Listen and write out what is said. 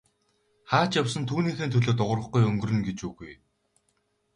Хаа ч явсан түүнийхээ төлөө дуугарахгүй өнгөрнө гэж үгүй.